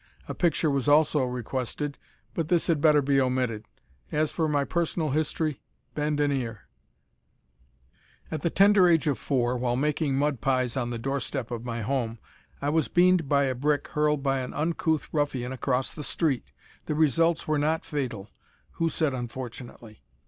A picture was also requested, but this had better be omitted. As for my personal history, bend an ear: At the tender age of four, while making mud pies on the doorstep of my home, I was beaned by a brick hurled by an uncouth ruffian across the street. The results were not fatal who said "unfortunately?"